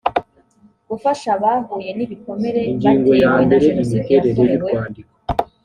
gufasha abahuye n ibikomere batewe na jenoside yakorewe